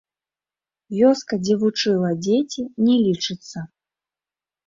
Вёска, дзе вучыла дзеці, не лічыцца.